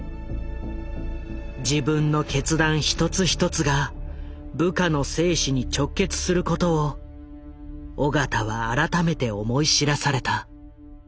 自分の決断一つ一つが部下の生死に直結することを緒方は改めて思い知らされた。